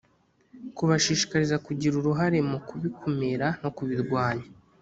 kubashishikariza kugira uruhare mu kubikumira no kubirwanya.